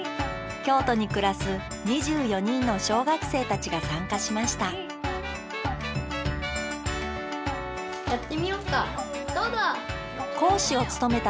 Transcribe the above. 京都に暮らす２４人の小学生たちが参加しましたやってみようか。